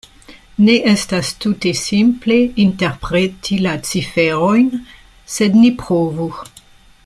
Ne estas tute simple interpreti la ciferojn, sed ni provu.